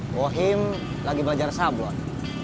bohim lagi belajar sablon